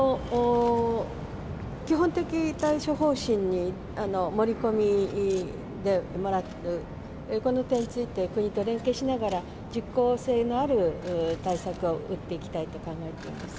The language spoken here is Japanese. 基本的対処方針に盛り込んでもらって、この点について国と連携しながら、実効性のある対策を打っていきたいと考えています。